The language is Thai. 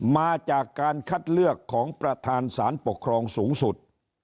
มาจากการคัดเลือกของประธานสารปกครองสูงสุด